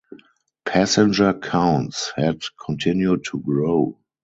Passenger counts had continued to grow.